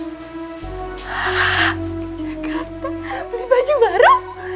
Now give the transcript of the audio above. jakarta beli baju baru